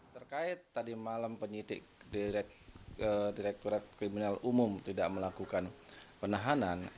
terkait tadi malam penyidik direkturat kriminal umum tidak melakukan penahanan